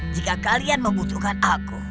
jika kalian membutuhkan aku